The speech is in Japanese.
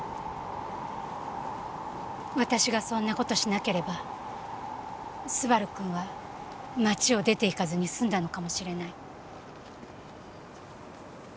私がそんな事しなければ昴くんは町を出て行かずに済んだのかもしれない。